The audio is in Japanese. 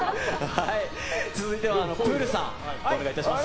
続いてはプールさんお願いします。